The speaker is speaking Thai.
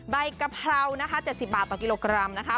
กะเพรานะคะ๗๐บาทต่อกิโลกรัมนะคะ